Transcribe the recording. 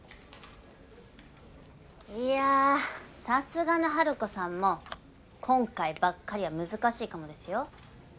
いやさすがのハルコさんも今回ばっかりは難しいかもですよ。